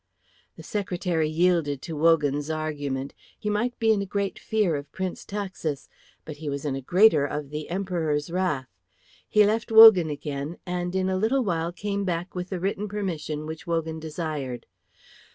The secretary yielded to Wogan's argument. He might be in a great fear of Prince Taxis, but he was in a greater of the Emperor's wrath. He left Wogan again, and in a little while came back with the written permission which Wogan desired.